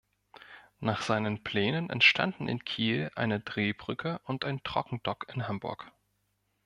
Nach seinen Plänen entstanden in Kiel eine Drehbrücke und ein Trockendock in Hamburg.